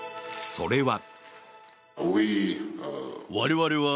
それは。